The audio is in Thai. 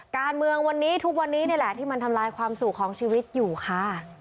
การเมืองวันนี้ทุกวันนี้นี่แหละที่มันทำลายความสุขของชีวิตอยู่ค่ะ